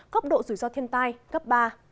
cấp độ rủi ro thiên tai cấp ba